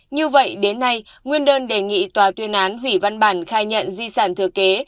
như vậy đến nay nguyên đơn đề nghị tòa tuyên án hủy văn bản khai nhận di sản thừa kế